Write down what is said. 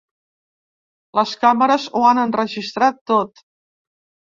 Les càmeres ho han enregistrat tot.